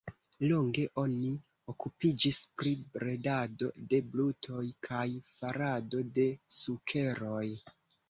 Longe oni okupiĝis pri bredado de brutoj kaj farado de sukeroj.